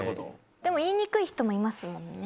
でも言いにくい人もいますものね。